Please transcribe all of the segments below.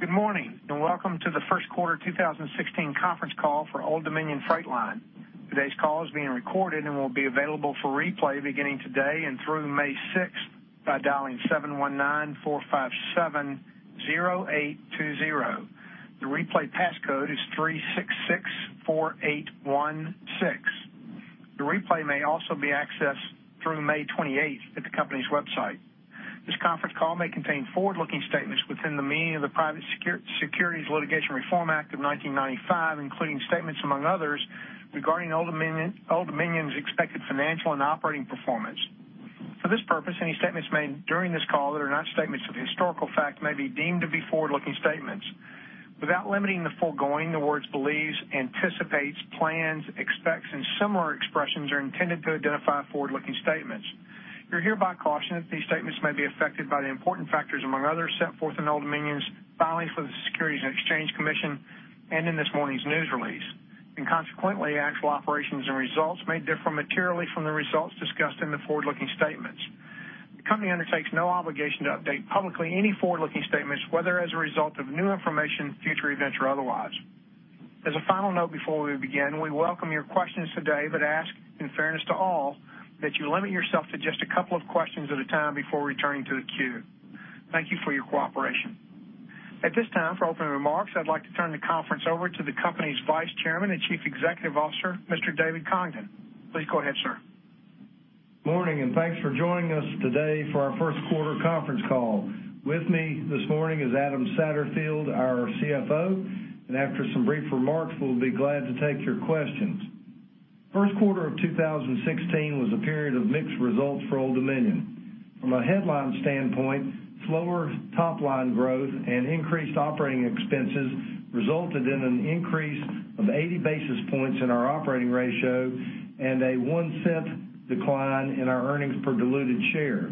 Good morning, welcome to the first quarter 2016 conference call for Old Dominion Freight Line. Today's call is being recorded and will be available for replay beginning today and through May 6th by dialing 719-457-0820. The replay passcode is 3664816. The replay may also be accessed through May 28th at the company's website. This conference call may contain forward-looking statements within the meaning of the Private Securities Litigation Reform Act of 1995, including statements, among others, regarding Old Dominion's expected financial and operating performance. For this purpose, any statements made during this call that are not statements of historical fact may be deemed to be forward-looking statements. Without limiting the foregoing, the words believes, anticipates, plans, expects, and similar expressions are intended to identify forward-looking statements. You're hereby cautioned that these statements may be affected by the important factors, among others, set forth in Old Dominion's filings with the Securities and Exchange Commission and in this morning's news release. Consequently, actual operations and results may differ materially from the results discussed in the forward-looking statements. The company undertakes no obligation to update publicly any forward-looking statements, whether as a result of new information, future events, or otherwise. As a final note, before we begin, we welcome your questions today, but ask, in fairness to all, that you limit yourself to just a couple of questions at a time before returning to the queue. Thank you for your cooperation. At this time, for opening remarks, I'd like to turn the conference over to the company's Vice Chairman and Chief Executive Officer, Mr. David Congdon. Please go ahead, sir. Morning, thanks for joining us today for our first quarter conference call. With me this morning is Adam Satterfield, our CFO, and after some brief remarks, we'll be glad to take your questions. First quarter of 2016 was a period of mixed results for Old Dominion. From a headline standpoint, slower top-line growth and increased operating expenses resulted in an increase of 80 basis points in our operating ratio and a $0.01 decline in our earnings per diluted share.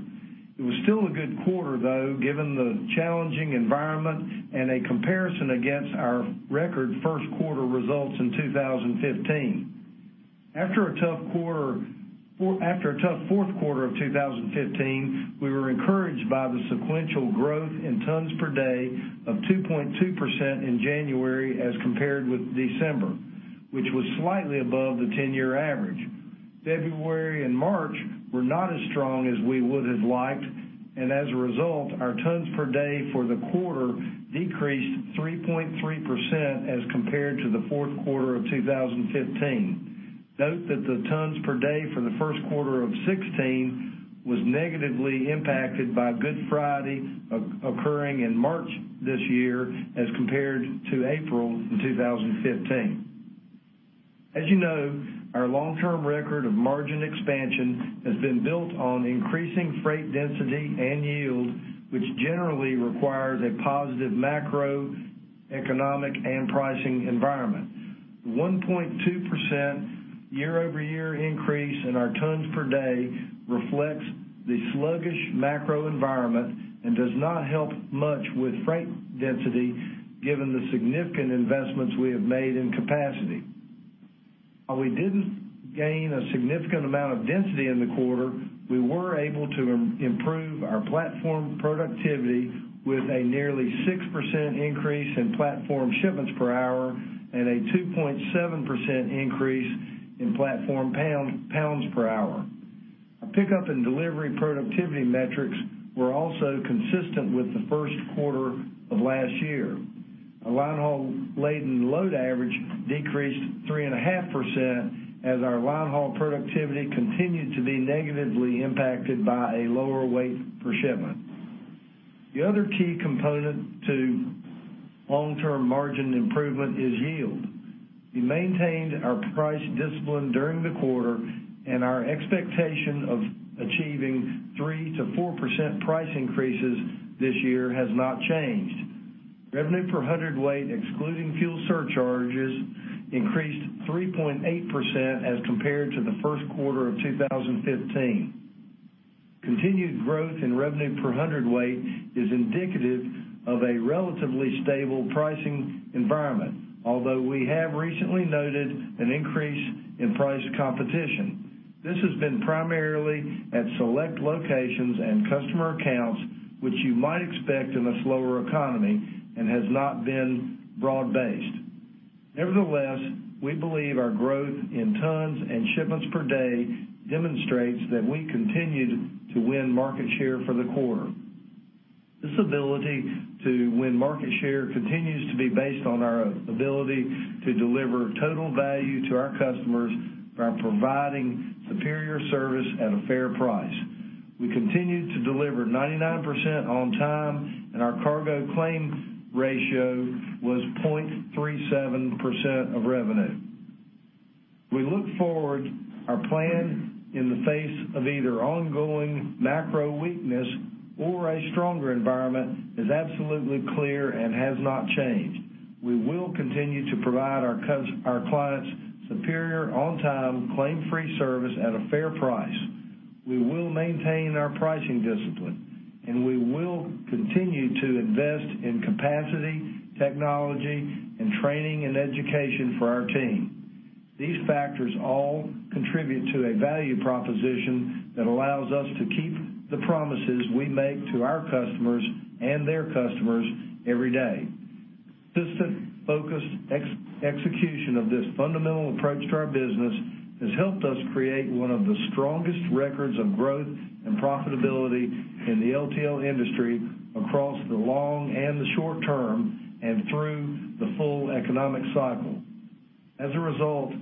It was still a good quarter, though, given the challenging environment and a comparison against our record first quarter results in 2015. After a tough fourth quarter of 2015, we were encouraged by the sequential growth in tons per day of 2.2% in January as compared with December, which was slightly above the 10-year average. February March were not as strong as we would have liked, and as a result, our tons per day for the quarter decreased 3.3% as compared to the fourth quarter of 2015. Note that the tons per day for the first quarter of 2016 was negatively impacted by Good Friday occurring in March this year as compared to April in 2015. As you know, our long-term record of margin expansion has been built on increasing freight density and yield, which generally requires a positive macroeconomic and pricing environment. The 1.2% year-over-year increase in our tons per day reflects the sluggish macro environment and does not help much with freight density given the significant investments we have made in capacity. While we didn't gain a significant amount of density in the quarter, we were able to improve our platform productivity with a nearly 6% increase in platform shipments per hour and a 2.7% increase in platform pounds per hour. Our pickup and delivery productivity metrics were also consistent with the first quarter of last year. Our line haul laden load average decreased 3.5% as our line haul productivity continued to be negatively impacted by a lower weight per shipment. The other key component to long-term margin improvement is yield. We maintained our price discipline during the quarter, and our expectation of achieving 3% to 4% price increases this year has not changed. Revenue per hundredweight, excluding fuel surcharges, increased 3.8% as compared to the first quarter of 2015. Continued growth in revenue per hundredweight is indicative of a relatively stable pricing environment, although we have recently noted an increase in price competition. This has been primarily at select locations and customer accounts, which you might expect in a slower economy and has not been broad-based. Nevertheless, we believe our growth in tons and shipments per day demonstrates that we continued to win market share for the quarter. This ability to win market share continues to be based on our ability to deliver total value to our customers by providing superior service at a fair price. We continued to deliver 99% on time, and our cargo claim ratio was 0.37% of revenue. We look forward. Our plan in the face of either ongoing macro weakness or a stronger environment is absolutely clear and has not changed. We will continue to provide our clients superior, on-time, claim-free service at a fair price. We will maintain our pricing discipline, and we will continue to invest in capacity, technology, and training and education for our team. These factors all contribute to a value proposition that allows us to keep the promises we make to our customers and their customers every day. Consistent, focused execution of this fundamental approach to our business has helped us create one of the strongest records of growth and profitability in the LTL industry across the long and the short term, and through the full economic cycle. As a result,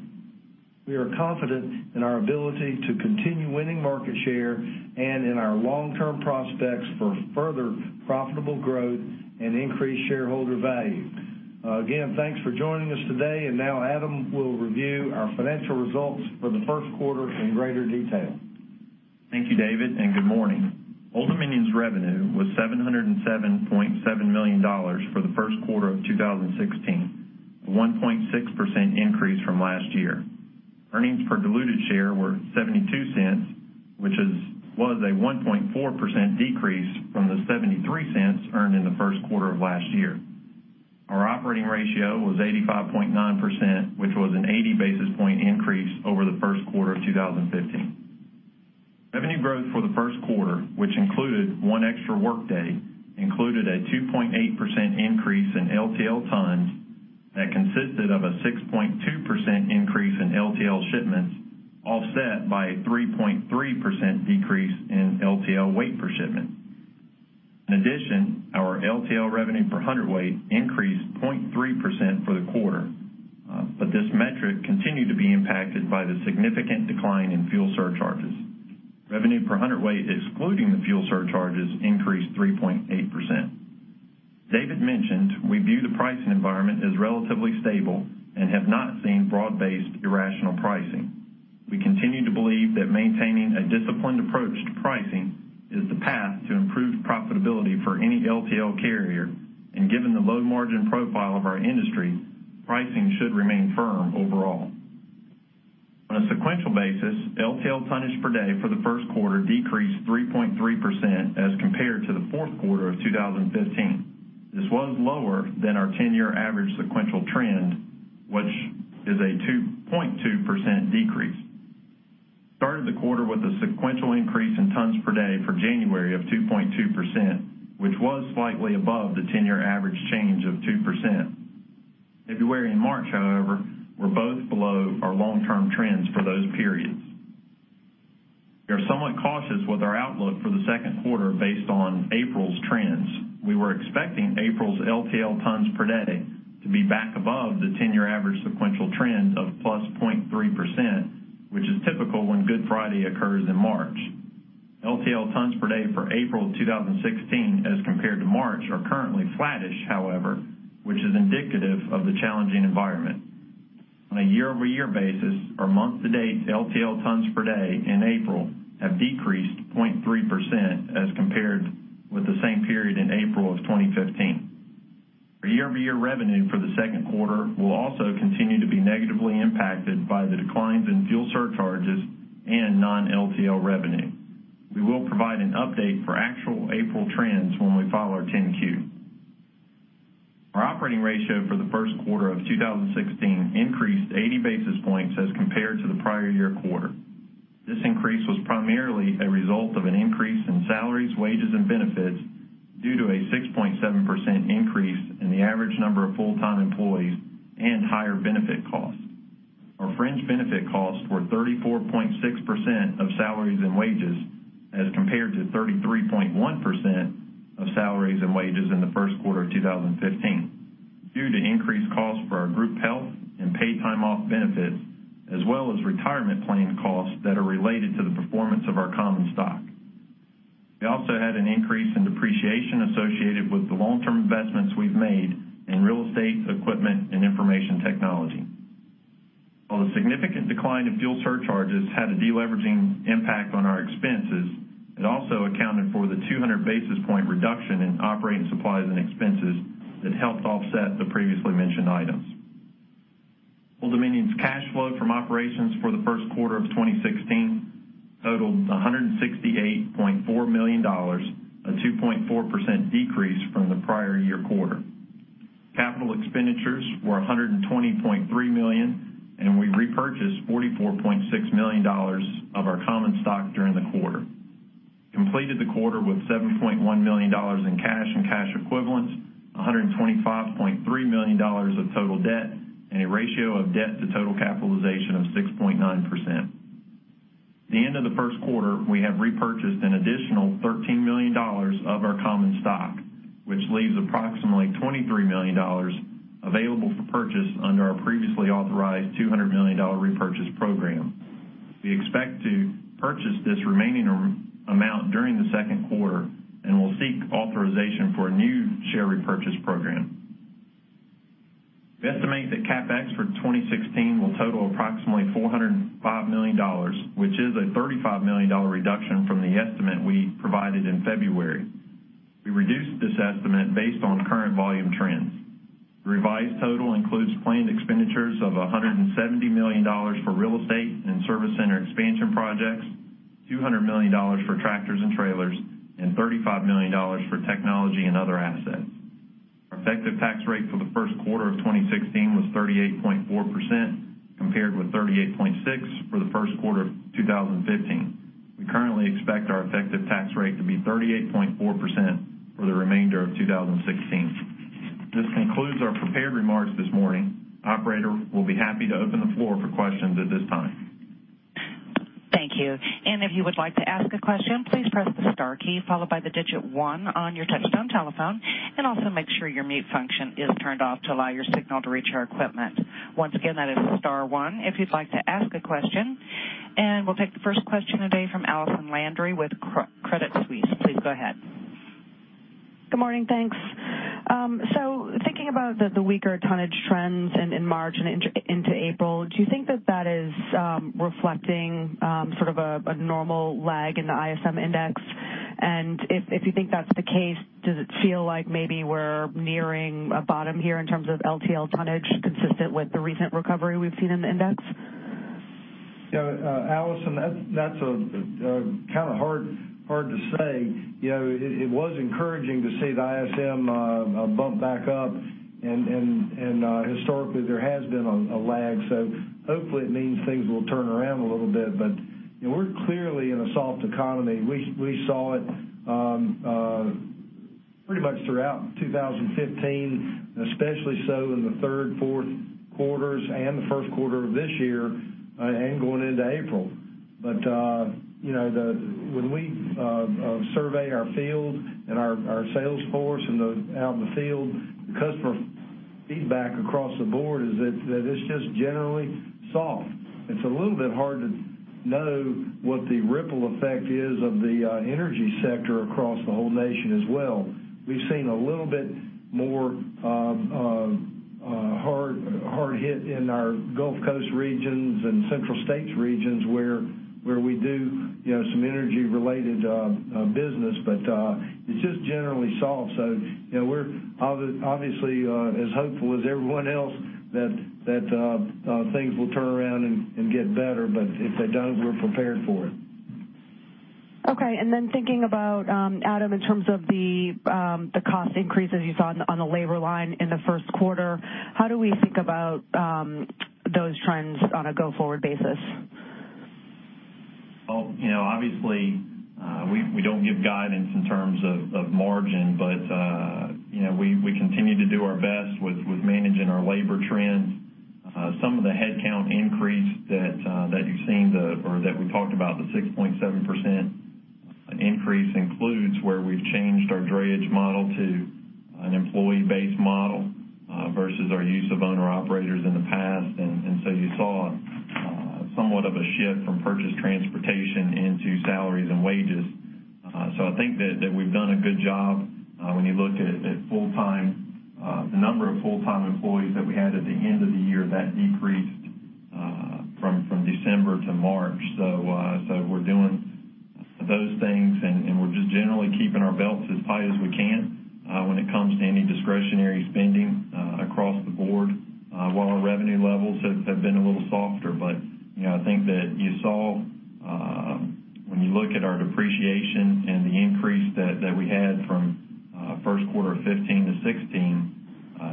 we are confident in our ability to continue winning market share and in our long-term prospects for further profitable growth and increased shareholder value. Again, thanks for joining us today. Now Adam will review our financial results for the first quarter in greater detail. Thank you, David, and good morning. Old Dominion's revenue was $707.7 million for the first quarter of 2016, a 1.6% increase from last year. Earnings per diluted share were $0.72, which was a 1.4% decrease from the $0.73 earned in the first quarter of last year. Our operating ratio was 85.9%, which was an 80 basis point increase over the first quarter of 2015. Revenue growth for the first quarter, which included one extra workday, included a 2.8% increase in LTL tons that consisted of a 6.2% increase in LTL shipments, offset by a 3.3% decrease in LTL weight per shipment. In addition, our LTL revenue per hundredweight increased 0.3% for the quarter. This metric continued to be impacted by the significant decline in fuel surcharges. Revenue per hundredweight, excluding the fuel surcharges, increased 3.8%. David mentioned we view the pricing environment as relatively stable and have not seen broad-based irrational pricing. We continue to believe that maintaining a disciplined approach to pricing is the path to improved profitability for any LTL carrier, and given the low margin profile of our industry, pricing should remain firm overall. On a sequential basis, LTL tonnage per day for the first quarter decreased 3.3% as compared to the fourth quarter of 2015. This was lower than our 10-year average sequential trend, which is a 2.2% decrease. Started the quarter with a sequential increase in tons per day for January of 2.2%, which was slightly above the 10-year average change of 2%. February and March, however, were both below our long-term trends for those periods. We are somewhat cautious with our outlook for the second quarter based on April's trends. We were expecting April's LTL tons per day to be back above the 10-year average sequential trend of plus 0.3%, which is typical when Good Friday occurs in March. LTL tons per day for April 2016 as compared to March are currently flattish, however, which is indicative of the challenging environment. On a year-over-year basis, our month-to-date LTL tons per day in April have decreased 0.3% as compared with the same period in April of 2015. Our year-over-year revenue for the second quarter will also continue to be negatively impacted by the declines in fuel surcharges and non-LTL revenue. We will provide an update for actual April trends when we file our 10-Q. Our operating ratio for the first quarter of 2016 increased 80 basis points as compared to the prior year quarter. This increase was primarily a result of an increase in salaries, wages, and benefits due to a 6.7% increase in the average number of full-time employees and higher benefit costs. Our fringe benefit costs were 34.6% of salaries and wages as compared to 33.1% of salaries and wages in the first quarter of 2015, due to increased costs for our group health and paid time off benefits as well as retirement plan costs that are related to the performance of our common stock. We also had an increase in depreciation associated with the long-term investments we've made in real estate, equipment, and information technology. While the significant decline in fuel surcharges had a de-leveraging impact on our expenses, it also accounted for the 200 basis point reduction in operating supplies and expenses that helped offset the previously mentioned items. Old Dominion's cash flow from operations for the first quarter of 2016 totaled $168.4 million, a 2.4% decrease from the prior year quarter. Capital expenditures were $120.3 million, and we repurchased $44.6 million of our common stock during the quarter. Completed the quarter with $7.1 million in cash and cash equivalents, $125.3 million of total debt, and a ratio of debt to total capitalization of 6.9%. At the end of the first quarter, we have repurchased an additional $13 million of our common stock, which leaves approximately $23 million available for purchase under our previously authorized $200 million repurchase program. We expect to purchase this remaining amount during the second quarter and will seek authorization for a new share repurchase program. We estimate that CapEx for 2016 will total approximately $405 million, which is a $35 million reduction from the estimate we provided in February. We reduced this estimate based on current volume trends. The revised total includes planned expenditures of $170 million for real estate and service center expansion projects, $200 million for tractors and trailers, and $35 million for technology and other assets. Our effective tax rate for the first quarter of 2016 was 38.4%, compared with 38.6% for the first quarter of 2015. We currently expect our effective tax rate to be 38.4% for the remainder of 2016. This concludes our prepared remarks this morning. Operator, we'll be happy to open the floor for questions at this time. Thank you. If you would like to ask a question, please press the star key, followed by the digit 1 on your touchtone telephone, and also make sure your mute function is turned off to allow your signal to reach our equipment. Once again, that is star one if you'd like to ask a question. We'll take the first question today from Allison Landry with Credit Suisse. Please go ahead. Good morning. Thanks. Thinking about the weaker tonnage trends in March and into April, do you think that that is reflecting a normal lag in the ISM Index? If you think that's the case, does it feel like maybe we're nearing a bottom here in terms of LTL tonnage consistent with the recent recovery we've seen in the index? Allison, that's kind of hard to say. It was encouraging to see the ISM bump back up, and historically there has been a lag, so hopefully it means things will turn around a little bit, but we're clearly in a soft economy. We saw it pretty much throughout 2015, especially so in the third, fourth quarters and the first quarter of this year and going into April. When we survey our field and our sales force out in the field, the customer feedback across the board is that it's just generally soft. It's a little bit hard to know what the ripple effect is of the energy sector across the whole nation as well. We've seen a little bit more hard hit in our Gulf Coast regions and central states regions where we do some energy related business. It's just generally soft. We're obviously as hopeful as everyone else that things will turn around and get better. If they don't, we're prepared for it. Thinking about, Adam, in terms of the cost increases you saw on the labor line in the first quarter, how do we think about those trends on a go forward basis? Obviously, we don't give guidance in terms of margin, we continue to do our best with managing our labor trends. Some of the headcount increase that you've seen or that we talked about, the 6.7% increase includes where we've changed our drayage model to an employee base model versus our use of owner-operators in the past. You saw somewhat of a shift from purchased transportation into salaries and wages. I think that we've done a good job. When you look at the number of full-time employees that we had at the end of the year, that decreased from December to March. We're doing those things, and we're just generally keeping our belts as tight as we can when it comes to any discretionary spending across the board, while our revenue levels have been a little softer. I think that you saw when you look at our depreciation and the increase that we had from first quarter of 2015 to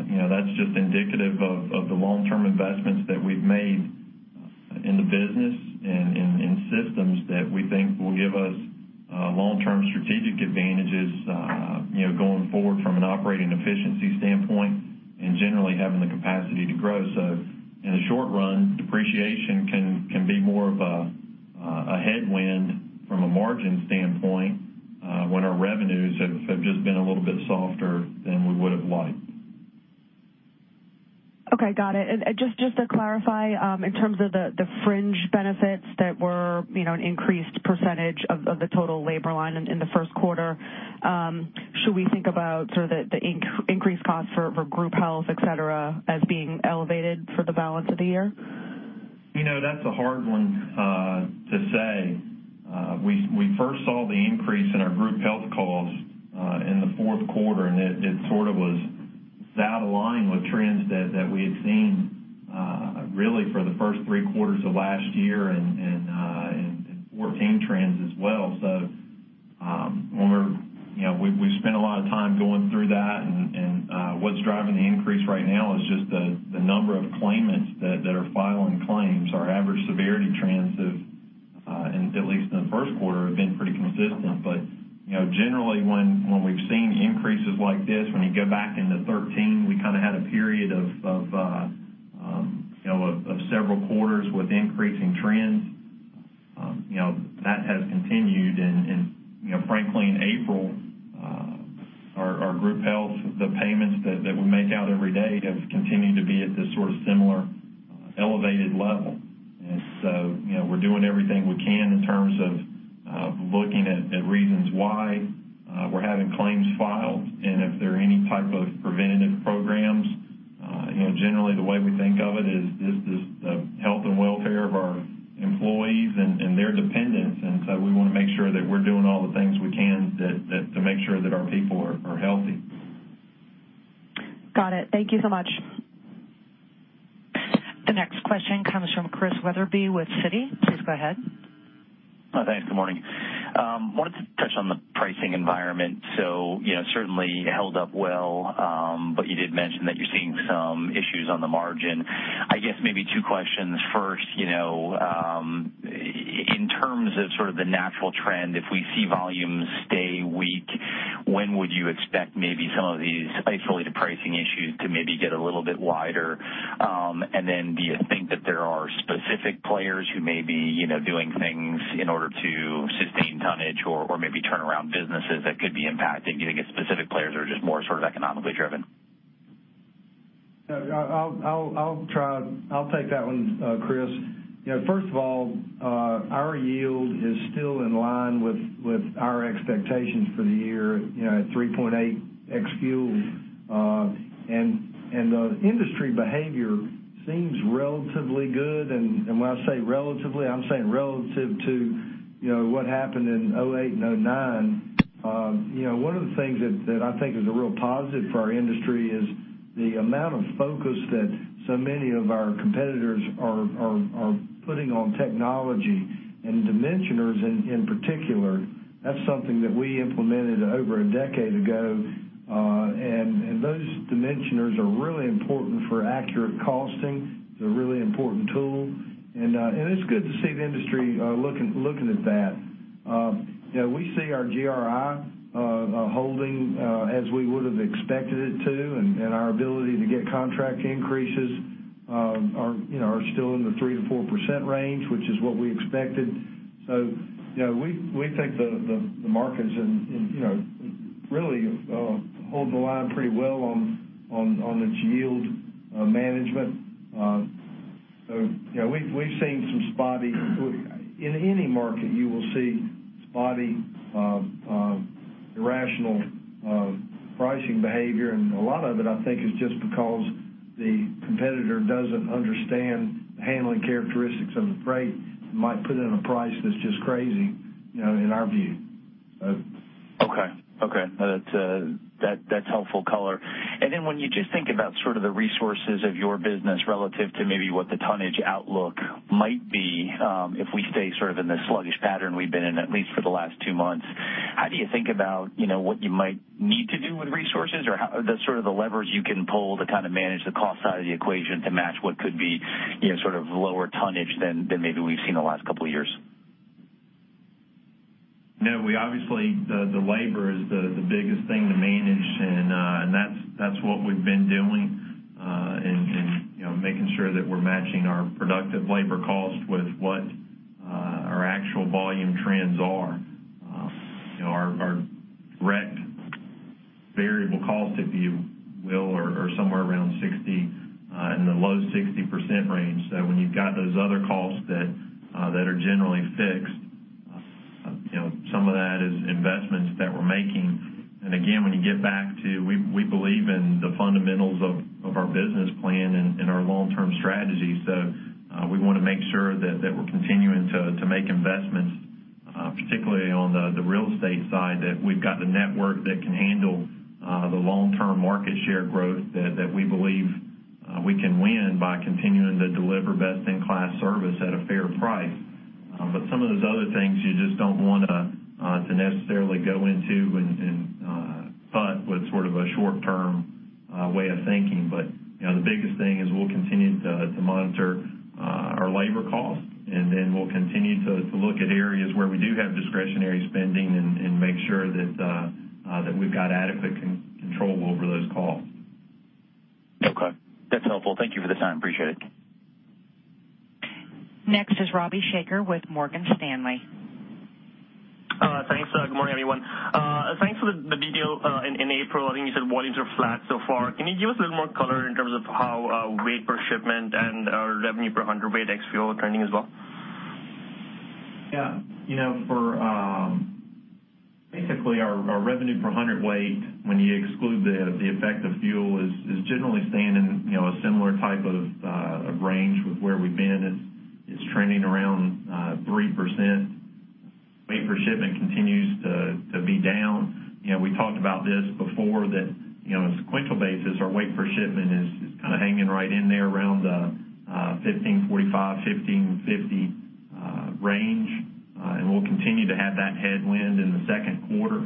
2016, that's just indicative of the long-term investments that we've made in the business and in systems that we think will give us long-term strategic advantages going forward from an operating efficiency standpoint and generally having the capacity to grow. In the short run, depreciation can be more of a headwind from a margin standpoint when our revenues have just been a little bit softer than we would have liked. Okay, got it. Just to clarify, in terms of the fringe benefits that were an increased percentage of the total labor line in the first quarter, should we think about the increased cost for group health, et cetera, as being elevated for the balance of the year? That's a hard one to say. We first saw the increase in our group health costs in the fourth quarter, it sort of was out of line with trends that we had seen really for the first three quarters of last year and 2014 trends as well. We spent a lot of time going through that, what's driving the increase right now is just the number of claimants that are filing claims. Our average severity trends have, at least in the first quarter, have been pretty consistent. Generally when we've seen increases like this, when you go back into 2013, we had a period of several quarters with increasing trends. That has continued, frankly, in April, our group health, the payments that we make out every day have continued to be at this sort of similar elevated level. We're doing everything we can in terms of looking at reasons why we're having claims filed and if there are any type of preventative programs. Generally, the way we think of it is this is the health and welfare of our employees and their dependents, we want to make sure that we're doing all the things we can to make sure that our people are healthy. Got it. Thank you so much. The next question comes from Chris Wetherbee with Citi. Please go ahead. Thanks. Good morning. Wanted to touch on the pricing environment. Certainly held up well, but you did mention that you're seeing some issues on the margin. I guess maybe two questions. First, in terms of the natural trend, if we see volumes stay weak, when would you expect maybe some of these isolated pricing issues to maybe get a little bit wider? Then do you think that there are specific players who may be doing things in order to sustain tonnage or maybe turn around businesses that could be impacted? Do you think it's specific players or just more economically driven? I'll take that one, Chris. First of all, our yield is still in line with our expectations for the year at 3.8% ex-fuel. The industry behavior seems relatively good, and when I say relatively, I'm saying relative to what happened in 2008 and 2009. One of the things that I think is a real positive for our industry is the amount of focus that so many of our competitors are putting on technology and dimensioners in particular. That's something that we implemented over a decade ago. Those dimensioners are really important for accurate costing. It's a really important tool, and it's good to see the industry looking at that. We see our GRI holding as we would've expected it to, and our ability to get contract increases are still in the 3%-4% range, which is what we expected. We think the market is really holding the line pretty well on its yield management. We've seen some spotty. In any market, you will see spotty, irrational pricing behavior. A lot of it, I think, is just because the competitor doesn't understand the handling characteristics of the freight, might put in a price that's just crazy, in our view. Okay. That's helpful color. When you just think about the resources of your business relative to maybe what the tonnage outlook might be, if we stay in this sluggish pattern we've been in, at least for the last two months, how do you think about what you might need to do with resources or the levers you can pull to manage the cost side of the equation to match what could be lower tonnage than maybe we've seen the last couple of years? Obviously, the labor is the biggest thing to manage and that's what we've been doing, and making sure that we're matching our productive labor cost with what our actual volume trends are. Our direct variable cost, if you will, are somewhere around 60%, in the low 60% range. When you've got those other costs that are generally fixed, some of that is investments that we're making. Again, when you get back to, we believe in the fundamentals of our business plan and our long-term strategy. We want to make sure that we're continuing to make investments, particularly on the real estate side, that we've got the network that can handle the long-term market share growth that we believe we can win by continuing to deliver best-in-class service at a fair price. Some of those other things you just don't want to necessarily go into and butt with a short-term way of thinking. The biggest thing is we'll continue to monitor our labor costs, and then we'll continue to look at areas where we do have discretionary spending and make sure that we've got adequate control over those costs. Okay. That's helpful. Thank you for the time. Appreciate it. Next is Ravi Shanker with Morgan Stanley. Thanks. Good morning, everyone. Thanks for the detail. In April, I think you said volumes are flat so far. Can you give us a little more color in terms of how weight per shipment and revenue per hundredweight ex-fuel are trending as well? Yeah. Basically, our revenue per hundredweight, when you exclude the effect of fuel, is generally staying in a similar type of range with where we've been. It's trending around 3%. Weight per shipment continues to be down. We talked about this before, that on a sequential basis, our weight per shipment is hanging right in there around the 1,545, 1,550 range. We'll continue to have that headwind in the second quarter.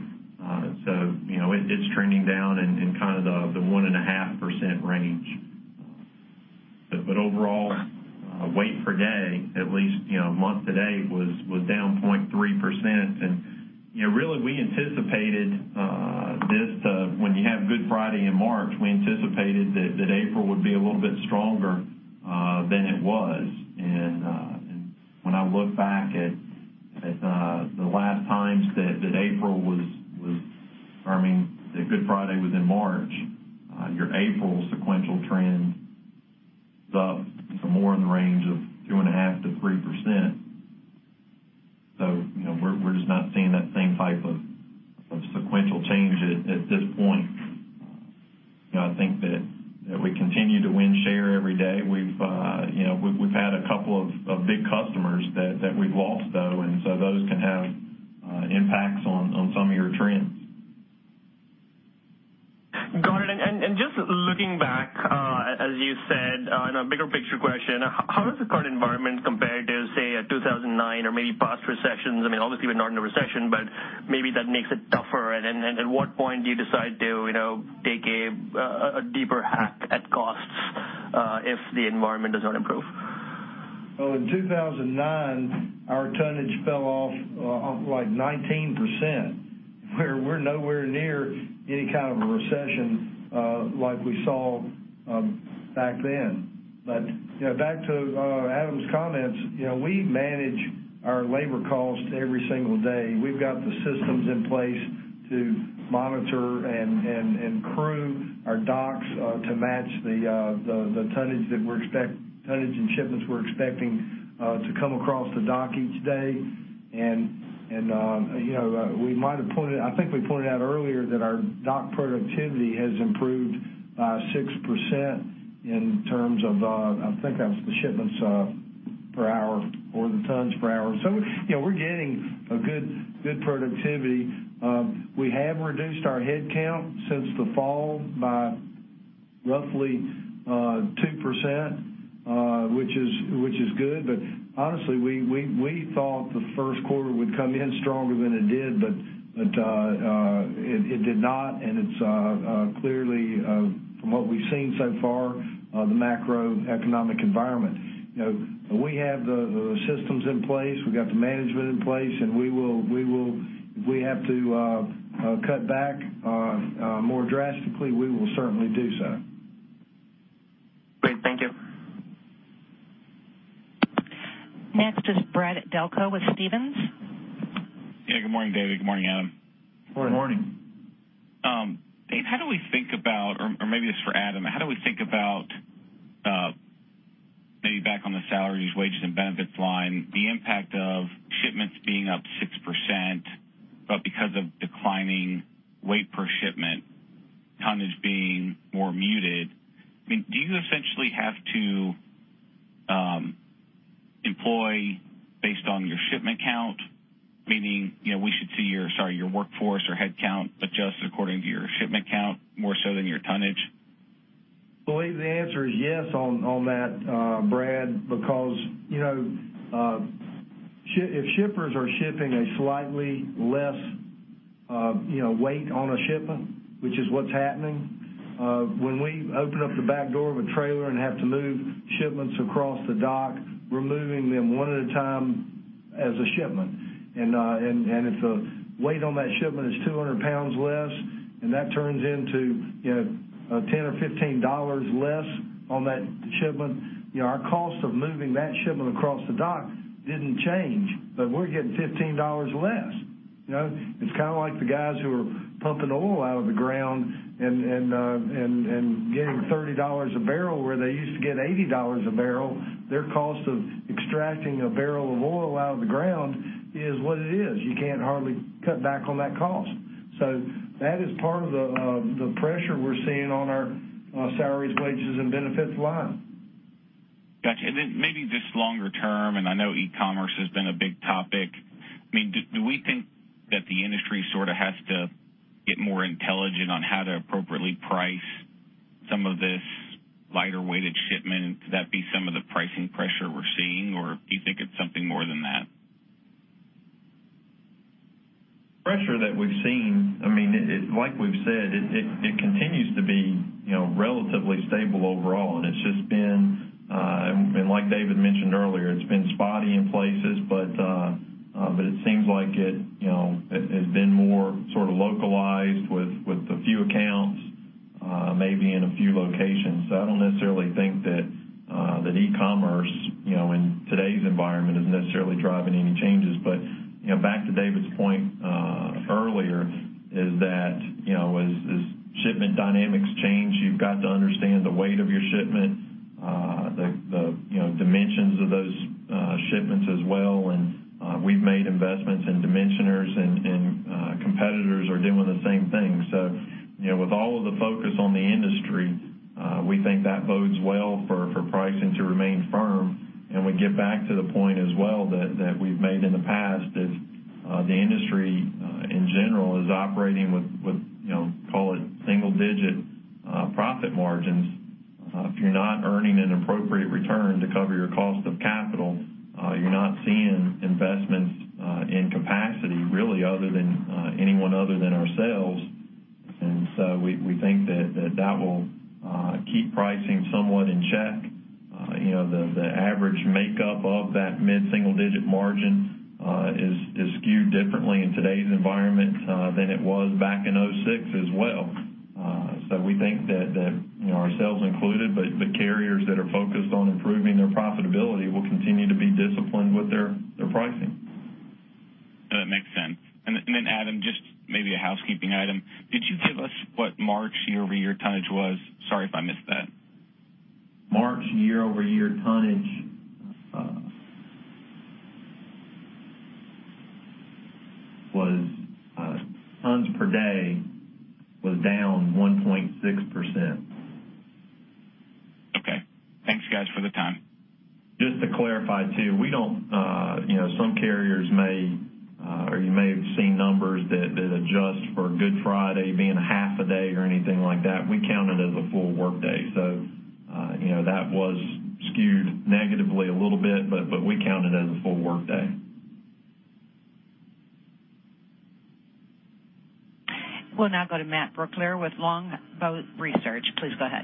It is trending down in the one and a half percent range. Overall, weight per day, at least month to date, was down 0.3%. Really, we anticipated this when you have Good Friday in March, we anticipated that April would be a little bit stronger than it was. When I look back at the last times that April was or I mean, that Good Friday was in March, your April sequential trend is up more in the range of 2.5%-3%. We're just not seeing that same type of sequential change at this point. I think that we continue to win share every day. We've had a couple of big customers that we've lost, though, and so those can have impacts on some of your trends. Got it. Just looking back, as you said, in a bigger picture question, how does the current environment compare to, say, 2009 or maybe past recessions? Obviously, we're not in a recession, but maybe that makes it tougher. At what point do you decide to take a deeper hack at costs if the environment does not improve? In 2009, our tonnage fell off like 19%. We're nowhere near any kind of a recession like we saw back then. Back to Adam's comments, we manage our labor cost every single day. We've got the systems in place to monitor and crew our docks to match the tonnage and shipments we're expecting to come across the dock each day. I think we pointed out earlier that our dock productivity has improved 6% in terms of, I think that was the shipments per hour or the tons per hour. We're getting a good productivity. We have reduced our headcount since the fall by roughly 2%, which is good. Honestly, we thought the Q1 would come in stronger than it did, but it did not, and it's clearly, from what we've seen so far, the macroeconomic environment. We have the systems in place, we got the management in place. If we have to cut back more drastically, we will certainly do so. Great. Thank you. Next is Brad Delco with Stephens. Yeah, good morning, David. Good morning, Adam. Good morning. Good morning. Dave, how do we think about, or maybe this is for Adam, how do we think about, maybe back on the salaries, wages, and benefits line, the impact of shipments being up 6%, but because of declining weight per shipment, tonnage being more muted. Do you essentially have to employ based on your shipment count? Meaning, we should see your, sorry, your workforce or headcount adjust according to your shipment count, more so than your tonnage? I think the answer is yes on that, Brad, because if shippers are shipping a slightly less weight on a shipment, which is what's happening, when we open up the back door of a trailer and have to move shipments across the dock, we're moving them one at a time as a shipment. If the weight on that shipment is 200 pounds less, and that turns into $10 or $15 less on that shipment, our cost of moving that shipment across the dock didn't change, but we're getting $15 less. It's kind of like the guys who are pumping oil out of the ground and getting $30 a barrel where they used to get $80 a barrel. Their cost of extracting a barrel of oil out of the ground is what it is. You can't hardly cut back on that cost. That is part of the pressure we're seeing on our salaries, wages, and benefits line. Got you. Then maybe just longer term, I know e-commerce has been a big topic. Do we think that the industry sort of has to get more intelligent on how to appropriately price some of this lighter weighted shipment? Could that be some of the pricing pressure we're seeing, or do you think it's something more than that? Pressure that we've seen, like we've said, it continues to be relatively stable overall, it's just been, like David mentioned earlier, it's been spotty in places, but it seems like it has been more sort of localized with a few accounts, maybe in a few locations. I don't necessarily think that e-commerce in today's environment is necessarily driving any changes. Back to David's point earlier, is that as shipment dynamics change, you've got to understand the weight of your shipment, the dimensions of those shipments as well, and we've made investments in dimensioners and competitors are doing the same thing. With all of the focus on the industry, we think that bodes well for pricing to remain firm. We get back to the point as well that we've made in the past is the industry in general is operating with call it single-digit profit margins. If you're not earning an appropriate return to cover your cost of capital, you're not seeing investments in capacity, really anyone other than ourselves. We think that that will keep pricing somewhat in check. The average makeup of that mid-single-digit margin is skewed differently in today's environment than it was back in 2006 as well. We think that ourselves included, but carriers that are focused on improving their profitability will continue to be disciplined with their pricing. No, that makes sense. Adam, just maybe a housekeeping item. Did you give us what March year-over-year tonnage was? Sorry if I missed that. March year-over-year tonnage tons per day was down 1.6%. Thanks guys for the time. Just to clarify too, some carriers may, or you may have seen numbers that adjust for Good Friday being a half a day or anything like that. We count it as a full workday. That was skewed negatively a little bit, but we count it as a full workday. We'll now go to Matt Brooklier with Longbow Research. Please go ahead.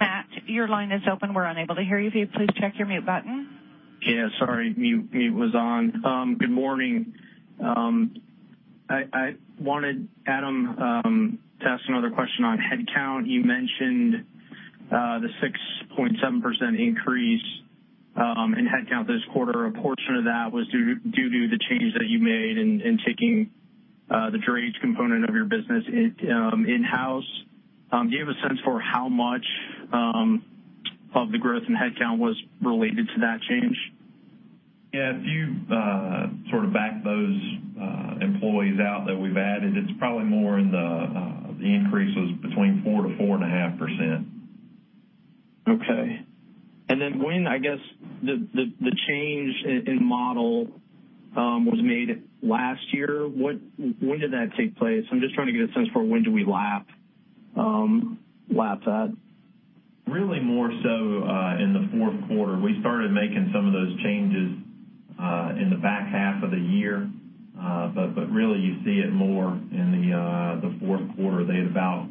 Matt, your line is open. We're unable to hear you. Will you please check your mute button? Yeah, sorry. Mute was on. Good morning. I wanted Adam to ask another question on headcount. You mentioned the 6.7% increase in headcount this quarter. A portion of that was due to the changes that you made in taking the drayage component of your business in-house. Do you have a sense for how much of the growth in headcount was related to that change? Yeah. If you sort of back those employees out that we've added, it's probably more in the increase was between 4%-4.5%. Okay. When, I guess, the change in model was made last year, when did that take place? I'm just trying to get a sense for when do we lap that. Really more so, in the fourth quarter. We started making some of those changes in the back half of the year. Really you see it more in the fourth quarter. They had about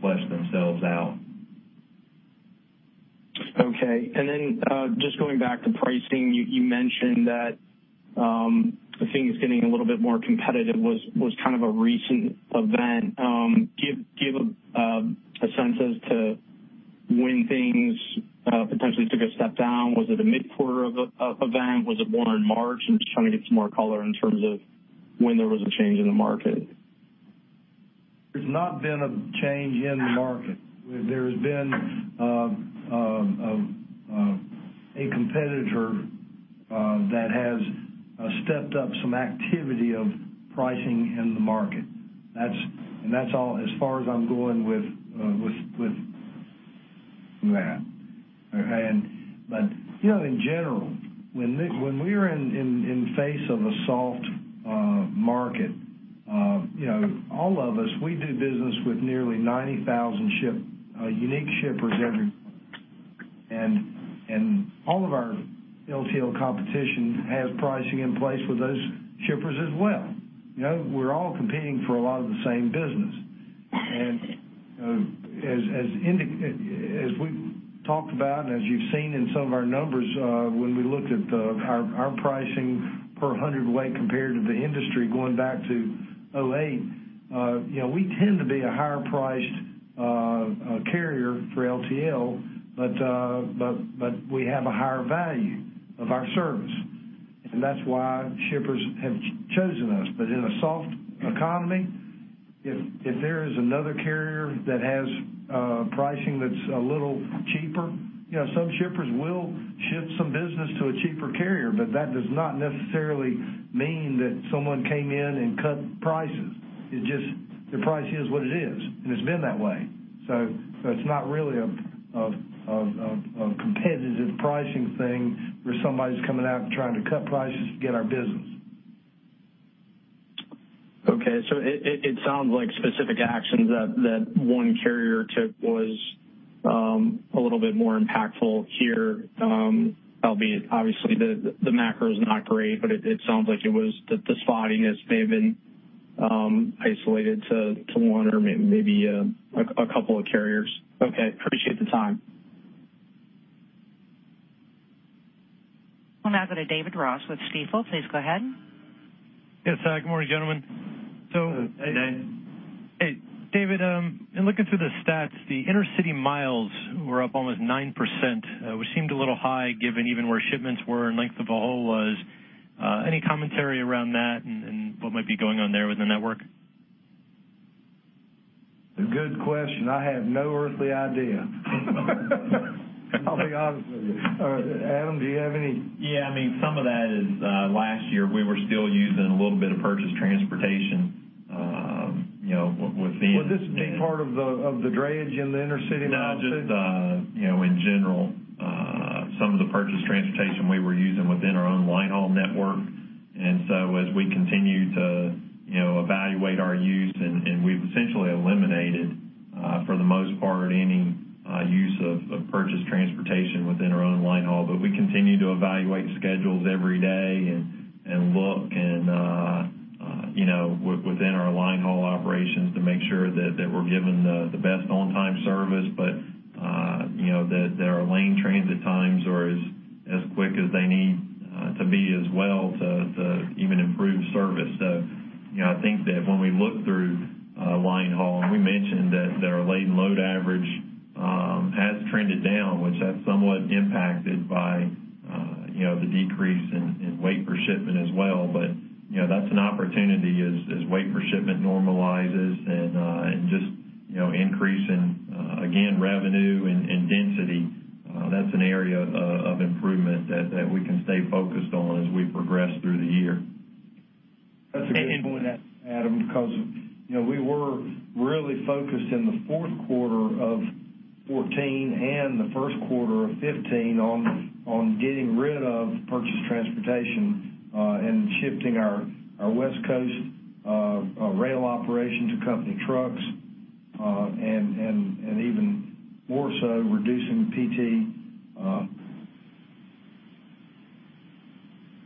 fleshed themselves out. Okay. Just going back to pricing, you mentioned that the things getting a little bit more competitive was kind of a recent event. Give a sense as to when things potentially took a step down. Was it a mid-quarter event? Was it more in March? I'm just trying to get some more color in terms of when there was a change in the market. There's not been a change in the market. There's been a competitor that has stepped up some activity of pricing in the market. That's all as far as I'm going with that. In general, when we're in face of a soft market, all of us, we do business with nearly 90,000 unique shippers every quarter. All of our LTL competition has pricing in place with those shippers as well. We're all competing for a lot of the same business. As we talked about and as you've seen in some of our numbers, when we looked at our pricing per hundredweight compared to the industry going back to 2008, we tend to be a higher priced carrier for LTL, but we have a higher value of our service. That's why shippers have chosen us. In a soft economy, if there is another carrier that has pricing that's a little cheaper, some shippers will ship some business to a cheaper carrier. That does not necessarily mean that someone came in and cut prices. It just, the price is what it is, and it's been that way. It's not really a competitive pricing thing where somebody's coming out and trying to cut prices to get our business. Okay. It sounds like specific actions that one carrier took was a little bit more impactful here. Albeit, obviously the macro is not great. It sounds like the spottiness may have been isolated to one or maybe a couple of carriers. Okay. Appreciate the time. We'll now go to David Ross with Stifel. Please go ahead. Yes. Good morning, gentlemen. Hey. Hey. Hey, David, in looking through the stats, the intercity miles were up almost 9%, which seemed a little high given even where shipments were and length of haul was. Any commentary around that and what might be going on there with the network? A good question. I have no earthly idea. I'll be honest with you. Adam, do you have any? Yeah, some of that is, last year, we were still using a little bit of purchased transportation within. Would this be part of the drayage in the intercity miles too? No, just in general, some of the purchased transportation we were using within our own line haul network. As we continue to evaluate our use and we've essentially eliminated, for the most part, any use of purchased transportation within our own line haul. We continue to evaluate schedules every day and look within our line haul operations to make sure that we're given the best on-time service. That our lane transit times are as quick as they need to be as well to even improve service. I think that when we look through line haul, and we mentioned that our laden load average has trended down, which that's somewhat impacted by the decrease in weight per shipment as well. That's an opportunity as weight per shipment normalizes and just increase in, again, revenue and density. That's an area of improvement that we can stay focused on as we progress through the year. That's a good point, Adam, because we were really focused in the fourth quarter of 2014 and the first quarter of 2015 on getting rid of purchased transportation and shifting our West Coast rail operation to company trucks, and even more so reducing the PT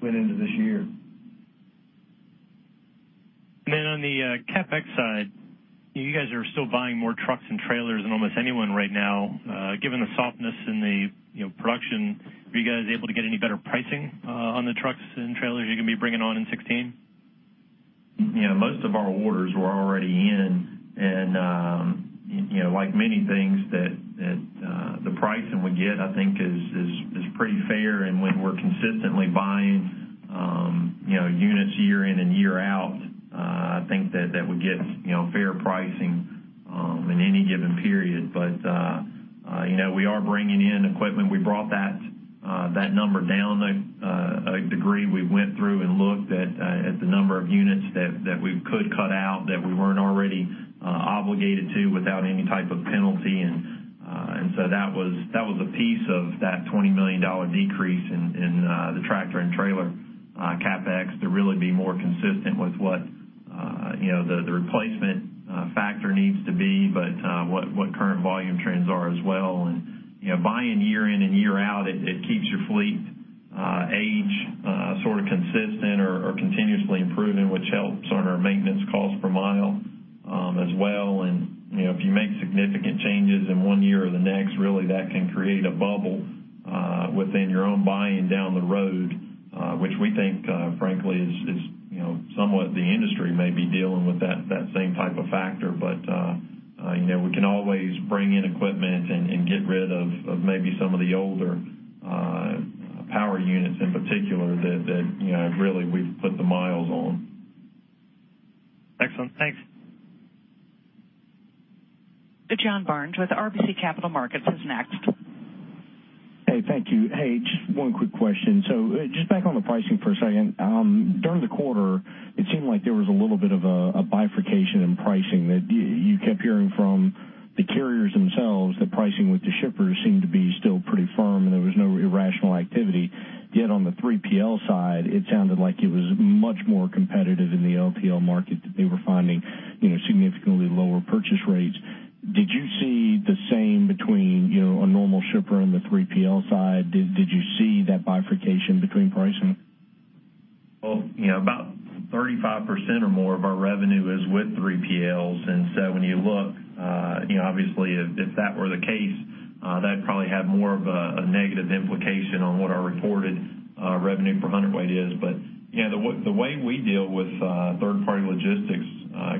going into this year. On the CapEx side, you guys are still buying more trucks and trailers than almost anyone right now. Given the softness in the production, were you guys able to get any better pricing on the trucks and trailers you're going to be bringing on in 2016? Most of our orders were already in. Like many things, the pricing we get, I think, is pretty fair. When we're consistently buying units year in and year out, I think that we get fair pricing in any given period. We are bringing in equipment. We brought that number down a degree. We went through and looked at the number of units that we could cut out that we weren't already obligated to without any type of penalty. That was a piece of that $20 million decrease in the tractor and trailer CapEx to really be more consistent with what the replacement factor needs to be, but what current volume trends are as well. Buying year in and year out, it keeps your fleet age consistent or continuously improving, which helps on our maintenance cost per mile as well. If you make significant changes in one year or the next, really that can create a bubble within your own buying down the road, which we think frankly is somewhat the industry may be dealing with that same type of factor. We can always bring in equipment and get rid of maybe some of the older power units in particular that really we've put the miles on. Excellent. Thanks. John Barnes with RBC Capital Markets is next. Thank you. Just one quick question. Just back on the pricing for a second. During the quarter, it seemed like there was a little bit of a bifurcation in pricing that you kept hearing from the carriers themselves that pricing with the shippers seemed to be still pretty firm, and there was no irrational activity. On the 3PL side, it sounded like it was much more competitive in the LTL market that they were finding significantly lower purchase rates. Did you see the same between a normal shipper and the 3PL side? Did you see that bifurcation between pricing? Well, about 35% or more of our revenue is with 3PLs. When you look, obviously if that were the case, that'd probably have more of a negative implication on what our reported revenue for hundredweight is. The way we deal with third-party logistics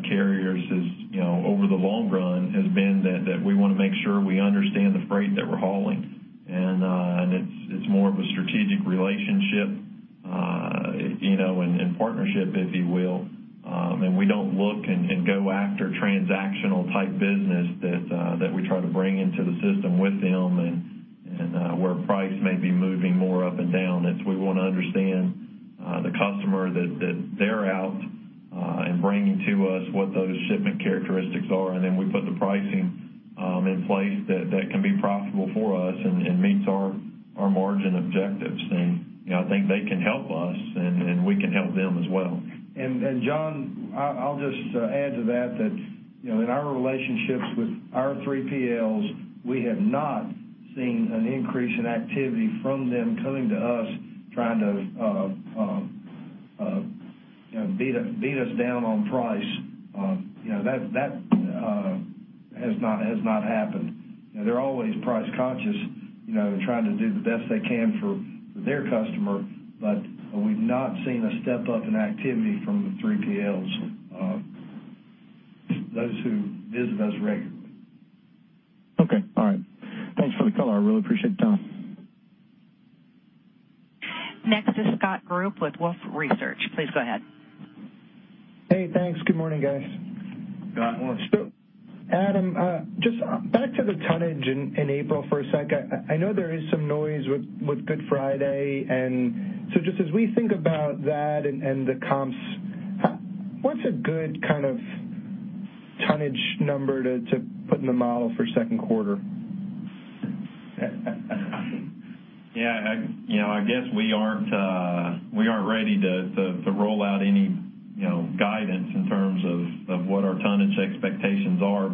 carriers is over the long run has been that we want to make sure we understand the freight that we're hauling. It's more of a strategic relationship and partnership, if you will. We don't look and go after transactional type business that we try to bring into the system with them and where price may be moving more up and down. We want to understand the customer that they're out and bringing to us what those shipment characteristics are. Then we put the pricing in place that can be profitable for us and meets our margin objectives. I think they can help us, and we can help them as well. John, I'll just add to that in our relationships with our 3PLs, we have not seen an increase in activity from them coming to us trying to beat us down on price. That has not happened. They're always price conscious, trying to do the best they can for their customer. We've not seen a step up in activity from the 3PLs, those who visit us regularly. Okay. All right. Thanks for the call. I really appreciate the time. Next is Scott Group with Wolfe Research. Please go ahead. Hey, thanks. Good morning, guys. Ed Wolfe. Adam, just back to the tonnage in April for a sec. I know there is some noise with Good Friday, just as we think about that and the comps, what's a good tonnage number to put in the model for second quarter? I guess we aren't ready to roll out any guidance in terms of what our tonnage expectations are.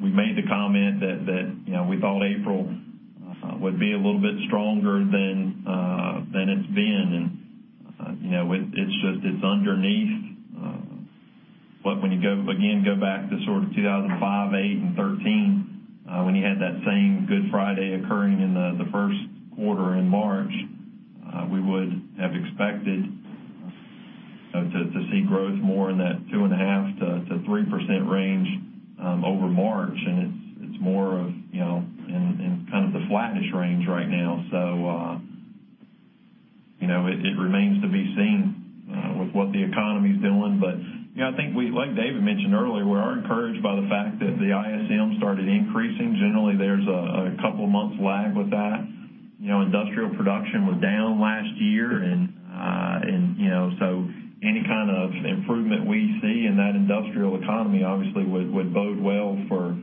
We made the comment that we thought April would be a little bit stronger than it's been. It's underneath, when you, again, go back to sort of 2005, 2008, and 2013, when you had that same Good Friday occurring in the first quarter in March, we would have expected to see growth more in that 2.5%-3% range over March, and it's more of in the flattish range right now. It remains to be seen with what the economy's doing. I think, like David mentioned earlier, we are encouraged by the fact that the ISM started increasing. Generally, there's a couple of months lag with that. Industrial production was down last year, any kind of improvement we see in that industrial economy obviously would bode well for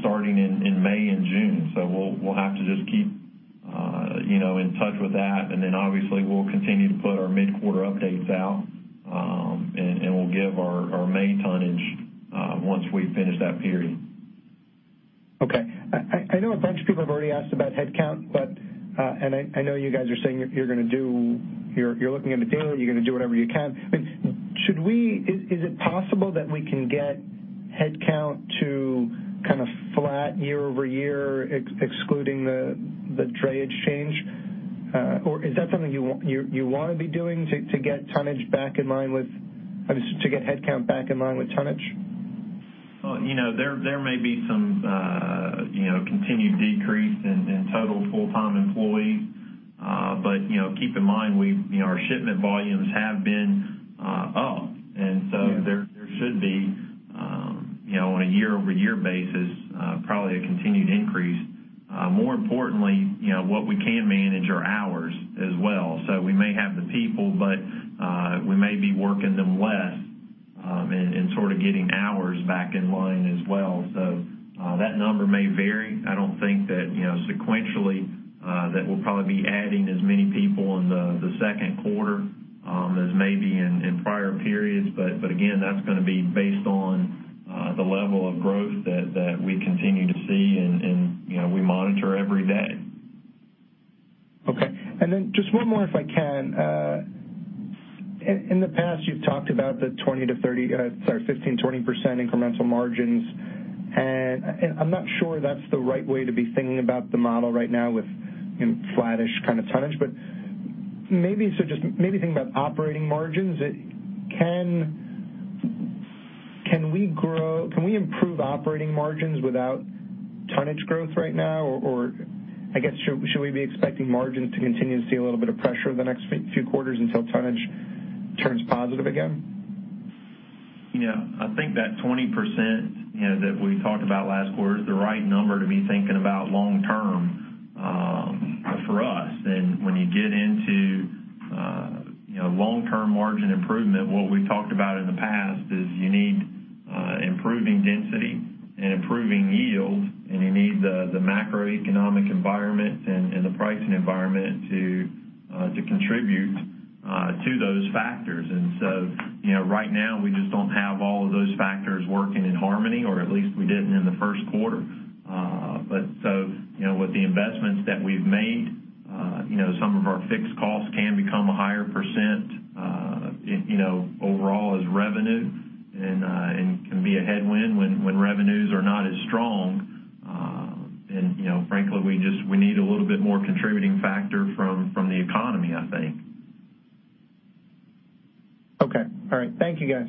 starting in May and June. We'll have to just keep in touch with that, obviously we'll continue to put our mid-quarter updates out, we'll give our main tonnage once we finish that period. Okay. I know a bunch of people have already asked about headcount. I know you guys are saying you're looking into doing it, you're going to do whatever you can. Is it possible that we can get headcount to flat year-over-year, excluding the drayage change? Is that something you want to be doing to get headcount back in line with tonnage? There may be some continued decrease in total full-time employees. Keep in mind, our shipment volumes have been up. Yeah. There should be, on a year-over-year basis, probably a continued increase. More importantly, what we can manage are hours as well. We may have the people, but we may be working them less and sort of getting hours back in line as well. That number may vary. I don't think that sequentially that we'll probably be adding as many people in the second quarter as maybe in prior periods. Again, that's going to be based on the level of growth that we continue to see and we monitor every day. Okay. Just one more, if I can. In the past, you've talked about the 15%-20% incremental margins, and I'm not sure that's the right way to be thinking about the model right now with flattish kind of tonnage. Maybe think about operating margins. Can we improve operating margins without tonnage growth right now? I guess, should we be expecting margins to continue to see a little bit of pressure over the next few quarters until tonnage turns positive again? I think that 20% that we talked about last quarter is the right number to be thinking about long term for us. When you get into long-term margin improvement, what we've talked about in the past is you need improving density and improving yield, and you need the macroeconomic environment and the pricing environment to contribute to those factors. Right now, we just don't have all of those factors working in harmony, or at least we didn't in the first quarter. With the investments that we've made, some of our fixed costs can become a higher % overall as revenue and can be a headwind when revenues are not as strong. Frankly, we need a little bit more contributing factor from the economy, I think. Okay. All right. Thank you, guys.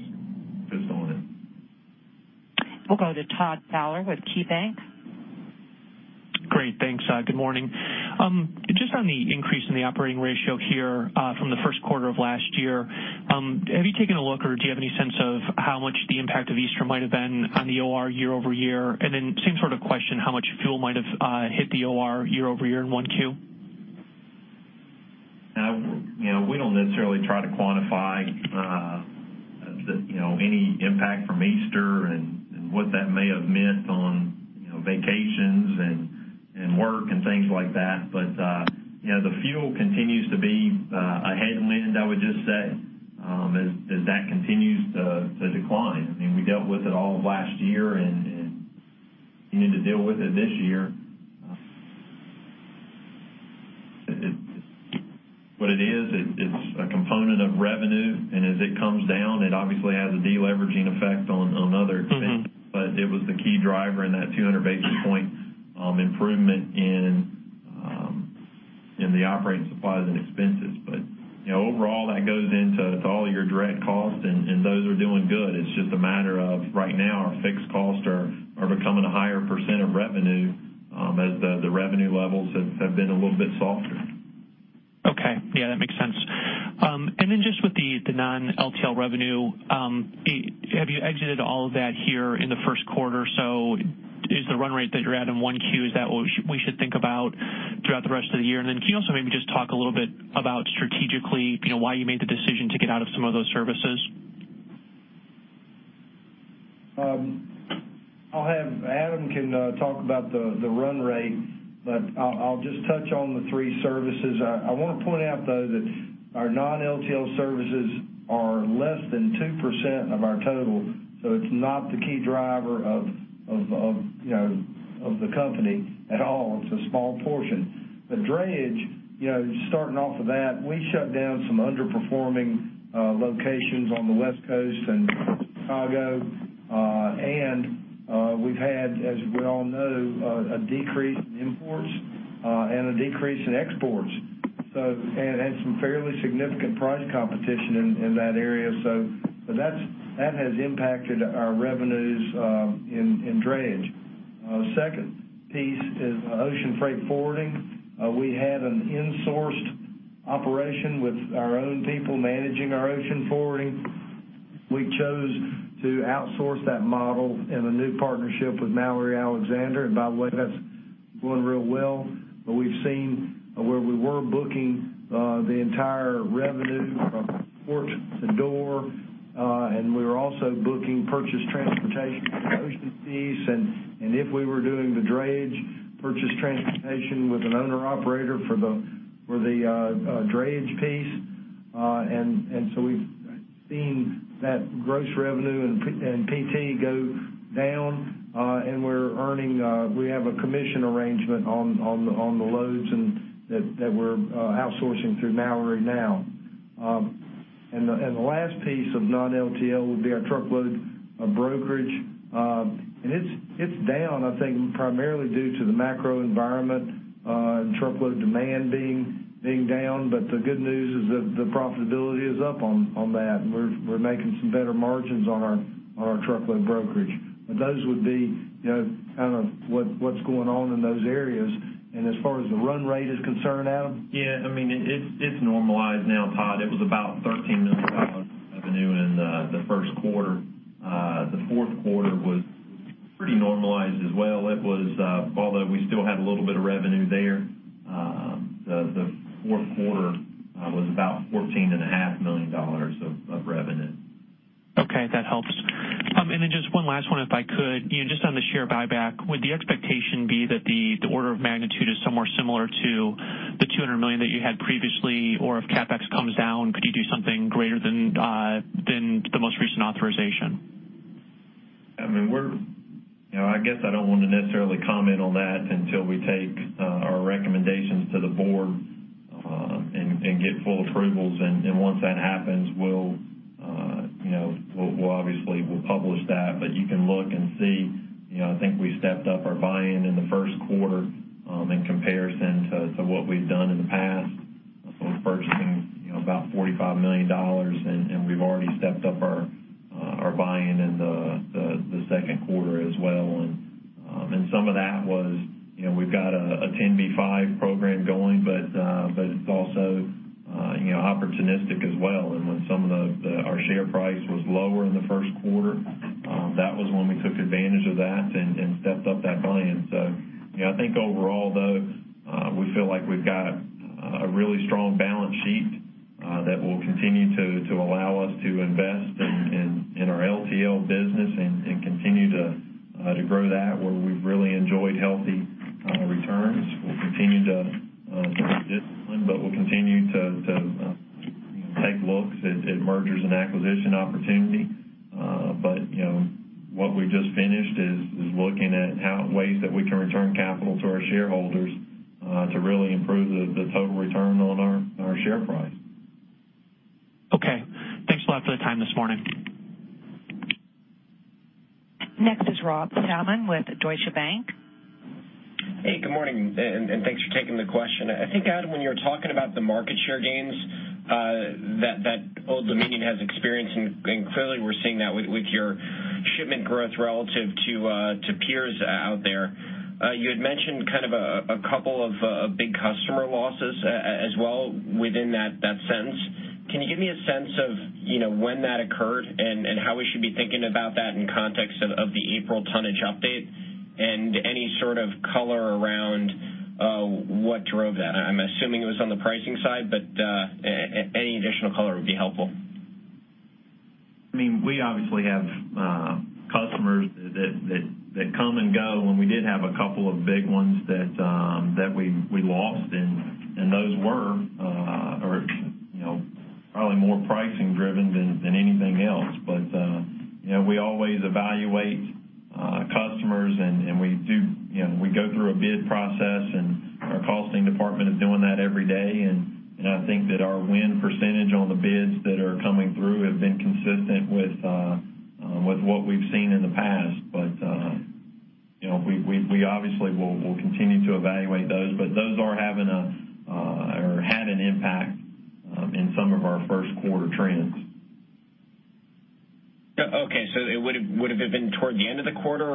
Just a moment. We'll go to Todd Fowler with KeyBanc. Great. Thanks. Good morning. Just on the increase in the operating ratio here from the first quarter of last year, have you taken a look or do you have any sense of how much the impact of Easter might have been on the OR year-over-year? Then same sort of question, how much fuel might have hit the OR year-over-year in 1Q? We don't necessarily try to quantify any impact from Easter and what that may have meant on vacations and work and things like that. The fuel continues to be a headwind, I would just say as that continues to decline. We dealt with it all of last year and continue to deal with it this year. What it is, it's a component of revenue, and as it comes down, it obviously has a deleveraging effect on other expenses. It was the key driver in that 200 basis point improvement in the operating supplies and expenses. Overall, that goes into all your direct costs, and those are doing good. It's just a matter of right now, our fixed costs are becoming a higher % of revenue as the revenue levels have been a little bit softer. Okay. Yeah, that makes sense. Just with the non-LTL revenue, have you exited all of that here in the first quarter? Is the run rate that you're at in 1Q, is that what we should think about throughout the rest of the year? Can you also maybe just talk a little bit about strategically why you made the decision to get out of some of those services? Adam can talk about the run rate, I'll just touch on the three services. I want to point out, though, that our non-LTL services are less than 2% of our total, so it's not the key driver of the company at all. It's a small portion. The drayage, starting off with that, we shut down some underperforming locations on the West Coast and Chicago. We've had, as we all know, a decrease in imports and a decrease in exports. Had some fairly significant price competition in that area. That has impacted our revenues in drayage. The second piece is ocean freight forwarding. We had an insourced operation with our own people managing our ocean forwarding. We chose to outsource that model in a new partnership with Mallory Alexander, and by the way, that's going real well. We've seen where we were booking the entire revenue from port to door, we were also booking purchased transportation for the ocean piece, if we were doing the container drayage purchased transportation with an owner-operator for the container drayage piece. We've seen that gross revenue and PT go down, we have a commission arrangement on the loads that we're outsourcing through Mallory now. The last piece of non-LTL would be our truckload brokerage. It's down, I think, primarily due to the macro environment and truckload demand being down. The good news is that the profitability is up on that, we're making some better margins on our truckload brokerage. Those would be what's going on in those areas. As far as the run rate is concerned, Adam? It's normalized now, Todd. It was about $13 million revenue in the first quarter. The fourth quarter was pretty normalized as well. Although we still had a little bit of revenue there, the fourth quarter was about $14.5 million of revenue. Okay. That helps. Just one last one, if I could. Just on the share buyback, would the expectation be that the order of magnitude is somewhere similar to the $200 million that you had previously? Or if CapEx comes down, could you do something greater than the most recent authorization? I guess I don't want to necessarily comment on that until we take our recommendations to the board and get full approvals. Once that happens, we'll obviously publish that. You can look and see, I think we stepped up our buy-in in the first quarter in comparison to what we've done in the past. The first thing, about $45 million, we've already stepped up our buy-in in the second quarter as well. Some of that was, we've got a 10b5-1 program going, it's also opportunistic as well. When some of our share price was lower in the first quarter, that was when we took advantage of that and stepped up that buy-in. I think overall, though, we feel like we've got a really strong balance sheet that will continue to allow us to invest in our LTL business and continue to grow that, where we've really enjoyed healthy returns. We'll continue to be disciplined, we'll continue to take looks at mergers and acquisition opportunity. What we just finished is looking at ways that we can return capital to our shareholders to really improve the total return on our share price. Okay. Thanks a lot for the time this morning. Next is Rob Salmon with Deutsche Bank. Hey, good morning, and thanks for taking the question. I think, Adam, when you're talking about the market share gains that Old Dominion has experienced, and clearly we're seeing that with your shipment growth relative to peers out there. You had mentioned a couple of big customer losses as well within that sense. Can you give me a sense of when that occurred, and how we should be thinking about that in context of the April tonnage update, and any sort of color around what drove that? I'm assuming it was on the pricing side, but any additional color would be helpful. We obviously have customers that come and go. We did have a couple of big ones that we lost, and those were probably more pricing driven than anything else. We always evaluate customers, and we go through a bid process, and our costing department is doing that every day. I think that our win percentage on the bids that are coming through have been consistent with what we've seen in the past. We obviously will continue to evaluate those, but those are having or had an impact in some of our first quarter trends. Would it have been toward the end of the quarter?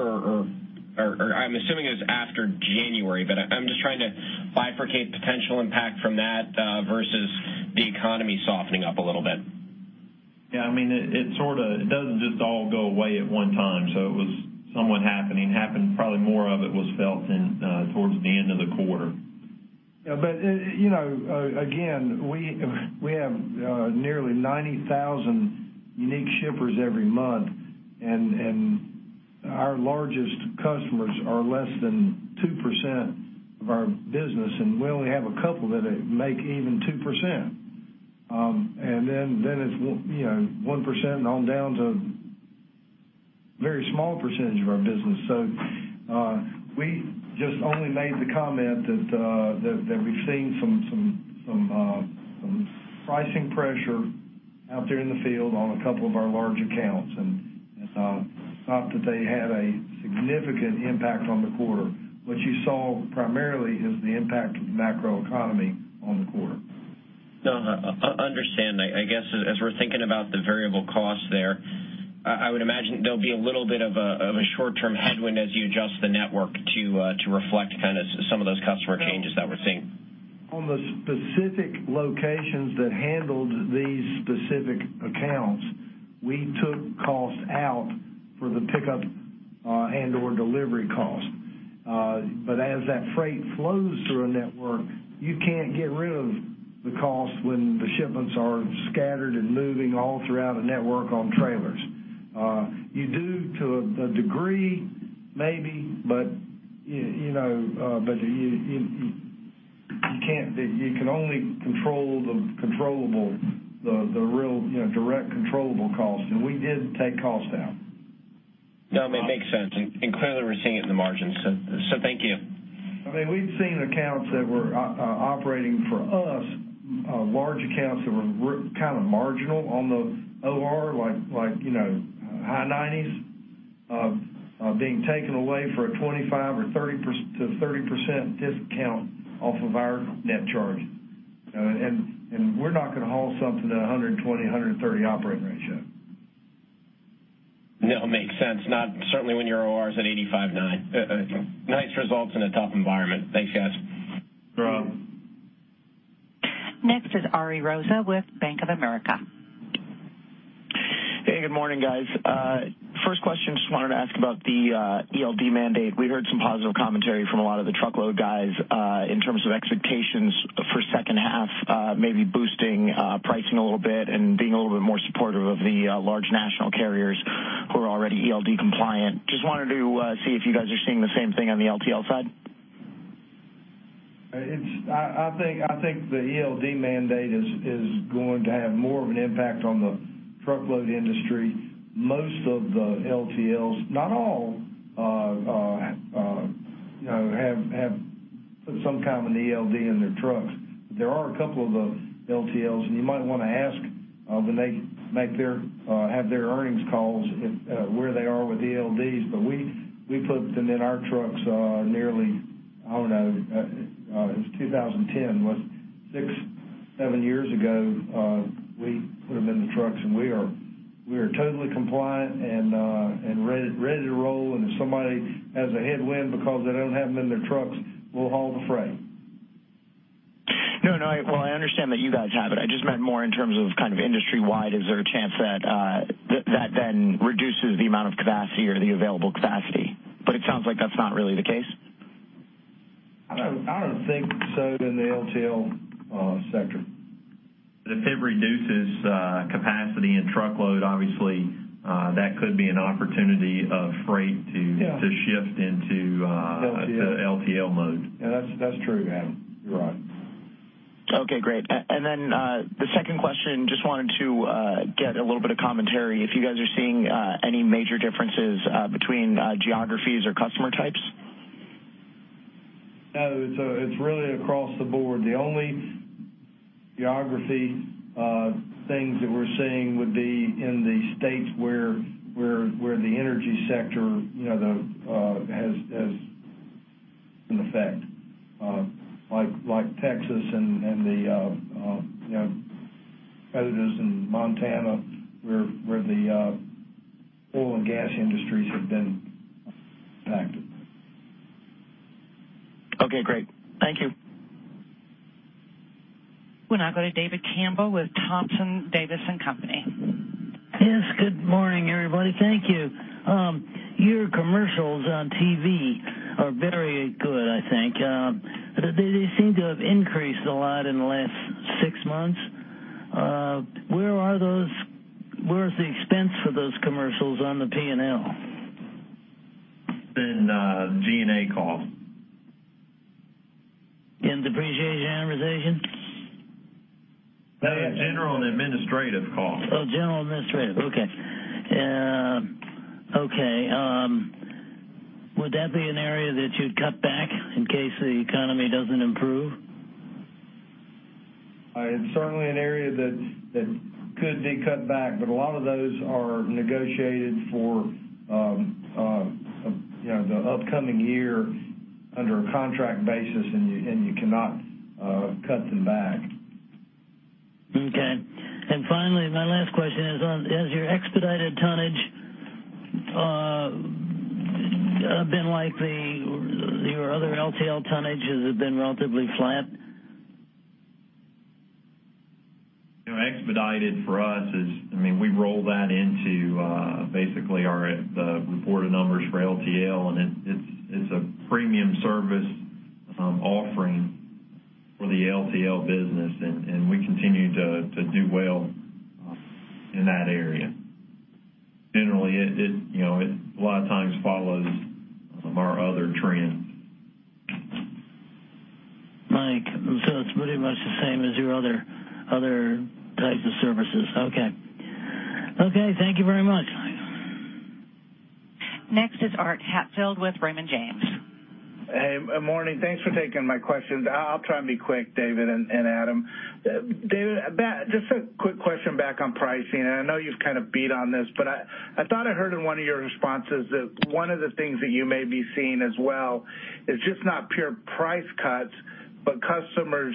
I'm assuming it was after January, but I'm just trying to bifurcate potential impact from that versus the economy softening up a little bit. It doesn't just all go away at one time. It was somewhat happening. Probably more of it was felt towards the end of the quarter. Again, we have nearly 90,000 unique shippers every month. Our largest customers are less than 2% of our business. We only have a couple that make even 2%. Then it's 1% and on down to a very small percentage of our business. We just only made the comment that we've seen some pricing pressure out there in the field on a couple of our large accounts. It's not that they had a significant impact on the quarter. What you saw primarily is the impact of the macroeconomy on the quarter. No, I understand. I guess as we're thinking about the variable costs there, I would imagine there'll be a little bit of a short-term headwind as you adjust the network to reflect some of those customer changes that we're seeing. On the specific locations that handled these specific accounts, we took costs out for the pickup and/or delivery cost. As that freight flows through a network, you can't get rid of the cost when the shipments are scattered and moving all throughout a network on trailers. You do to a degree, maybe, but you can only control the real direct controllable costs. We did take costs down. No, it makes sense. Clearly we're seeing it in the margins. Thank you. We've seen accounts that were operating for us, large accounts that were marginal on the OR, like high nineties, being taken away for a 25%-30% discount off of our net charge. We're not going to haul something at 120, 130 operating ratio. No, makes sense. Certainly when your OR is at 85.9%. Nice results in a tough environment. Thanks, guys. You're welcome. Next is Ari Rosa with Bank of America. Hey, good morning, guys. First question, just wanted to ask about the ELD mandate. We heard some positive commentary from a lot of the truckload guys, in terms of expectations for second half, maybe boosting pricing a little bit and being a little bit more supportive of the large national carriers who are already ELD compliant. Just wanted to see if you guys are seeing the same thing on the LTL side. I think the ELD mandate is going to have more of an impact on the truckload industry. Most of the LTLs, not all, have put some kind of an ELD in their trucks. There are a couple of the LTLs, and you might want to ask when they have their earnings calls, where they are with ELDs. We put them in our trucks nearly, I don't know, it was 2010. Six, seven years ago, we put them in the trucks, and we are totally compliant and ready to roll. If somebody has a headwind because they don't have them in their trucks, we'll haul the freight. No, I understand that you guys have it. I just meant more in terms of industry-wide. Is there a chance that that then reduces the amount of capacity or the available capacity? It sounds like that's not really the case. I don't think so in the LTL sector. If it reduces capacity and truckload, obviously, that could be an opportunity of freight to shift into LTL mode. Yeah, that's true, Adam. You're right. Okay, great. Then the second question, just wanted to get a little bit of commentary if you guys are seeing any major differences between geographies or customer types. No, it's really across the board. The only geography things that we're seeing would be in the states where the energy sector has an effect. Like Texas and others in Montana, where the oil and gas industries have been impacted. Okay, great. Thank you. We'll now go to David Campbell with Thompson, Davis & Company. Yes, good morning, everybody. Thank you. Your commercials on TV are very good, I think. They seem to have increased a lot in the last six months. Where is the expense for those commercials on the P&L? It's in G&A cost. In depreciation amortization? No, general and administrative cost. Oh, general administrative, okay. Would that be an area that you'd cut back in case the economy doesn't improve? It's certainly an area that could be cut back, a lot of those are negotiated for the upcoming year under a contract basis, and you cannot cut them back. Okay. Finally, my last question is, has your expedited tonnage been like your other LTL tonnage? Has it been relatively flat? Expedited for us is, we roll that into basically the reported numbers for LTL. It's a premium service offering for the LTL business. We continue to do well in that area. Generally, it a lot of times follows some of our other trends. Mike, it's pretty much the same as your other types of services. Okay. Thank you very much. Next is Arthur Hatfield with Raymond James. Hey, morning. Thanks for taking my questions. I'll try and be quick, David and Adam. David, just a quick question back on pricing. I know you've kind of beat on this. I thought I heard in one of your responses that one of the things that you may be seeing as well is just not pure price cuts, but customers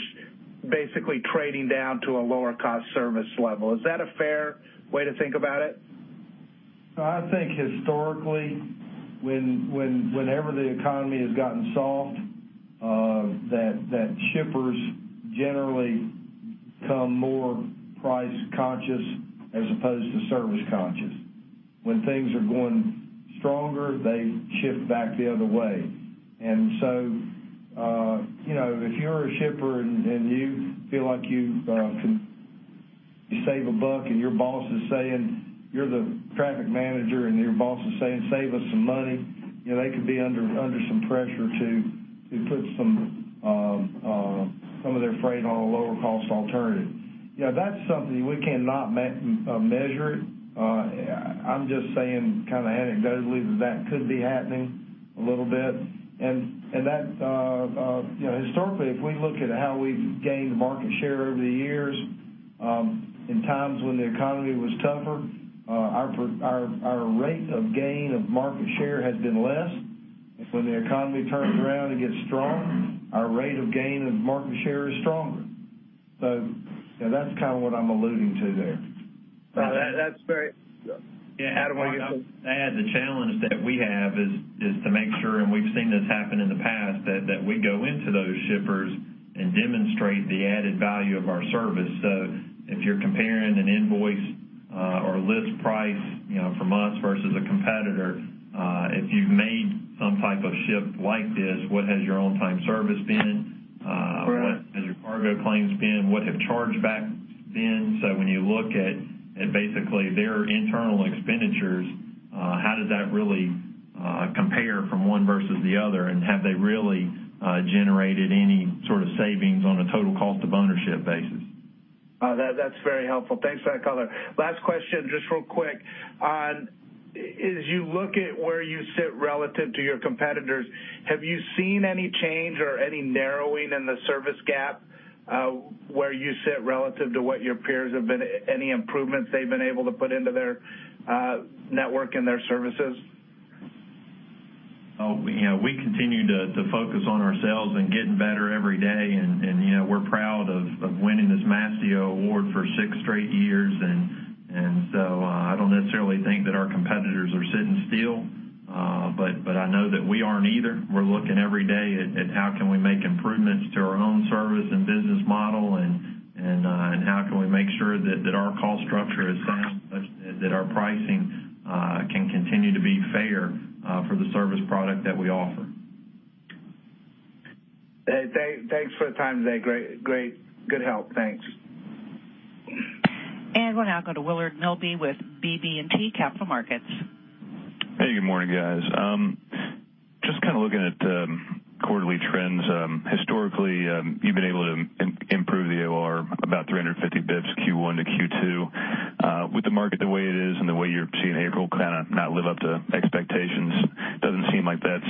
basically trading down to a lower cost service level. Is that a fair way to think about it? I think historically, whenever the economy has gotten soft, that shippers generally become more price conscious as opposed to service conscious. When things are going stronger, they shift back the other way. If you're a shipper and you feel like you can save a buck and you're the traffic manager and your boss is saying, "Save us some money," they could be under some pressure to put some of their freight on a lower cost alternative. That's something we cannot measure. I'm just saying anecdotally that that could be happening a little bit. Historically, if we look at how we've gained market share over the years, in times when the economy was tougher, our rate of gain of market share has been less. When the economy turns around and gets strong, our rate of gain of market share is stronger. That's what I'm alluding to there. That's great. Adam, while you're- Yeah. The challenge that we have is to make sure, and we've seen this happen in the past, that we go into those shippers and demonstrate the added value of our service. If you're comparing an invoice or list price from us versus a competitor, if you've made some type of shift like this, what has your on-time service been? Correct. What has your cargo claims been? What have chargebacks been? When you look at basically their internal expenditures, how does that really compare from one versus the other? Have they really generated any sort of savings on a total cost of ownership basis? That's very helpful. Thanks for that color. Last question, just real quick. As you look at where you sit relative to your competitors, have you seen any change or any narrowing in the service gap where you sit relative to what your peers have been, any improvements they've been able to put into their network and their services? We continue to focus on ourselves and getting better every day, and we're proud of winning this Mastio award for six straight years. I don't necessarily think that our competitors are sitting still. I know that we aren't either. We're looking every day at how can we make improvements to our own service and business model, and how can we make sure that our cost structure is sound such that our pricing can continue to be fair for the service product that we offer. Thanks for the time today. Good help. Thanks. We'll now go to Willard Milby with BB&T Capital Markets. Hey, good morning, guys. Just looking at quarterly trends. Historically, you've been able to improve the OR about 350 basis points Q1 to Q2. With the market the way it is and the way you're seeing April not live up to expectations, doesn't seem like that's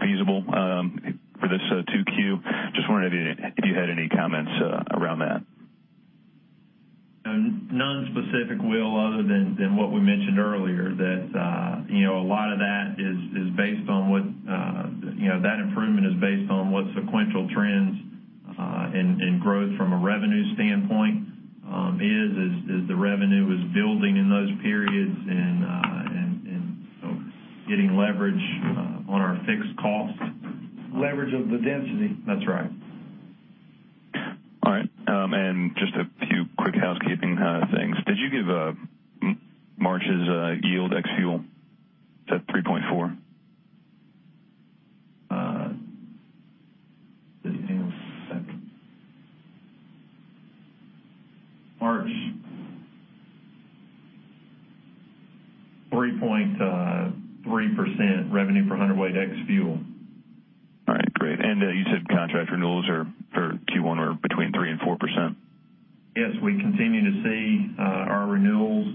feasible for this 2Q. Just wondering if you had any comments around that. None specific, Will, other than what we mentioned earlier, that a lot of that improvement is based on what sequential trends and growth from a revenue standpoint is, as the revenue is building in those periods and getting leverage on our fixed costs. Leverage of the density. That's right. All right. Just a few quick housekeeping things. Did you give March's yield ex-fuel at 3.4? Hang on a second. March, 3.3% revenue per hundredweight ex-fuel. All right, great. You said contract renewals for Q1 were between 3% and 4%? Yes, we continue to see our renewals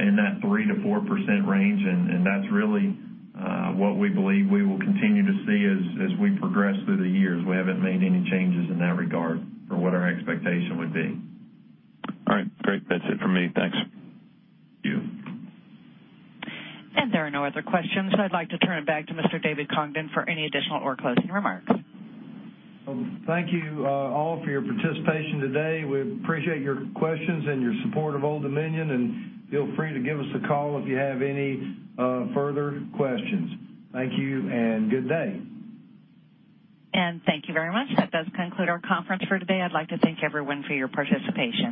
in that 3%-4% range. That's really what we believe we will continue to see as we progress through the years. We haven't made any changes in that regard for what our expectation would be. All right, great. That's it for me. Thanks. Thank you. There are no other questions. I'd like to turn it back to Mr. David Congdon for any additional or closing remarks. Thank you all for your participation today. We appreciate your questions and your support of Old Dominion, and feel free to give us a call if you have any further questions. Thank you and good day. Thank you very much. That does conclude our conference for today. I'd like to thank everyone for your participation.